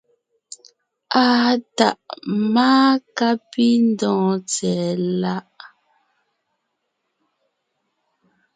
Àa tàʼ máa kápindɔ̀ɔn tsɛ̀ɛ láʼ.